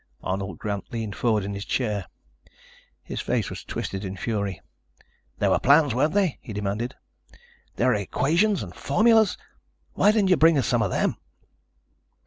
Arnold Grant leaned forward in his chair. His face was twisted in fury. "There were plans, weren't there?" he demanded. "There were equations and formulas. Why didn't you bring us some of them?"